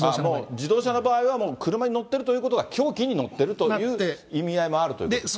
自動車の場合は車に乗ってるということが凶器に乗っているという意味合いもあるということですね。